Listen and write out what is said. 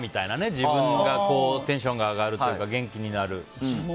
自分がテンションが上がるとか元気になる。